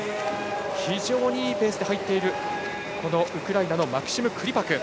非常にいいペースで入っているウクライナのマクシム・クリパク。